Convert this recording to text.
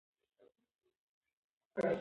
جګړه د انسان عقل له کاره غورځوي